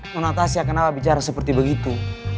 nona tasya kenapa bicara seperti begitu